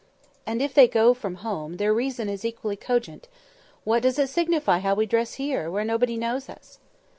And if they go from home, their reason is equally cogent, "What does it signify how we dress here, where nobody knows us?"